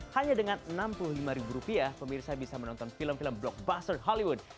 hanya dengan enam puluh lima pemirsa bisa menonton film film blockbuster hollywood